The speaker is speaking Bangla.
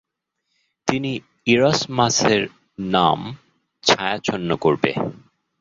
তিনি ইরাসমাসের নাম ছায়াচ্ছন্ন করবে।